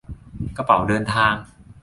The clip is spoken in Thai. กระเป๋าเดินทาง